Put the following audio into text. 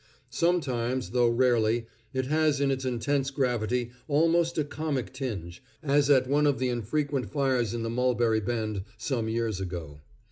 Sometimes, though rarely, it has in its intense gravity almost a comic tinge, as at one of the infrequent fires in the Mulberry Bend some years ago.